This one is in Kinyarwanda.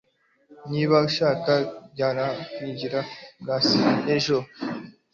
Niba utishimiye kubaza kwanjye, kuki wasohotse ejo?